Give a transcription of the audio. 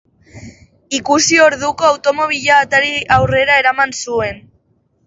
Ikusi orduko automobila atari-aurrera eraman zuen.